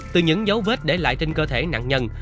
từ những dấu vết để lại trên cơ thể nạn nhân